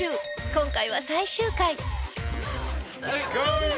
今回は最終回。